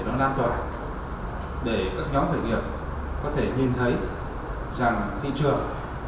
nó lan tỏa để các nhóm khởi nghiệp có thể nhìn thấy rằng thị trường